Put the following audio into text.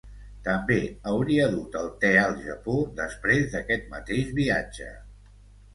També hauria dut el te al Japó després d'aquest mateix viatge.